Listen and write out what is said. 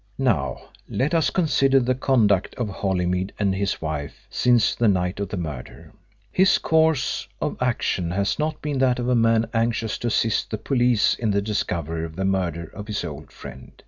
"Now let us consider the conduct of Holymead and his wife since the night of the murder. His course of action has not been that of a man anxious to assist the police in the discovery of the murderer of his old friend.